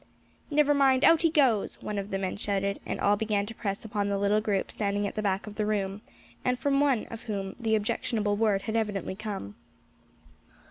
"Never mind, out he goes," one of the men shouted, and all began to press upon the little group standing at the back of the room, and from one of whom the objectionable word had evidently come.